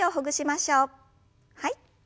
はい。